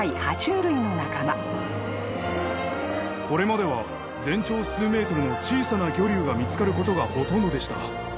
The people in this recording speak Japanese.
これまでは全長数ｍの小さな魚竜が見つかることがほとんどでした。